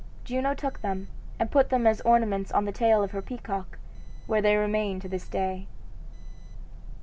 Juno took them and put them as ornaments on the tail of her peacock, where they remain to this day.